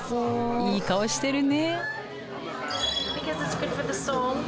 いい顔してるね。